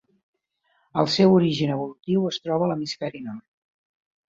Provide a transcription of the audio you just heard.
El seu origen evolutiu es troba a l'hemisferi nord.